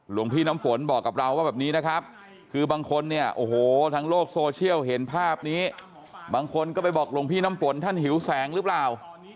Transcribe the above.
หลวงพี่น้ำฝนบอกกับเราว่าแบบนี้นะครับคือบางคนเนี่ยโอ้โหทางโลกโซเชียลเห็นภาพนี้บางคนก็ไปบอกหลวงพี่น้ำฝนท่านหิวแสงหรือเปล่า